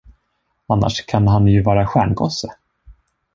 Annars kan han ju vara stjärngosse.